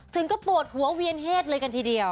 ถึงก็ปวดหัวเวียนเหตุเลยกันทีเดียว